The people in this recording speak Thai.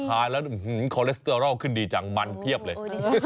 ทานแล้วคอเลสเตอรอลขึ้นดีจังมันเพียบเลย